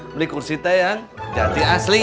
beli kursi teh yang jati asli